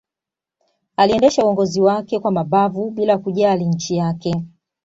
aliendesha uongozi wake kwa mabavu bila kujali nchi yake